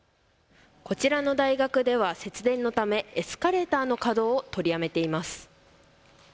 こちらの大学では節電のためエスカレーターの稼働を取りやめています。